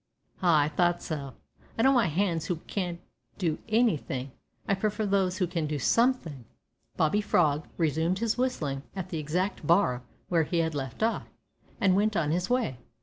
"Ah, I thought so; I don't want hands who can do anything, I prefer those who can do something." Bobby Frog resumed his whistling, at the exact bar where he had left off, and went on his way.